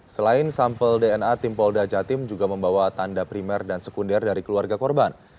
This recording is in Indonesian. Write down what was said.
selain sampel dna tim polda jatim juga membawa tanda primer dan sekunder dari keluarga korban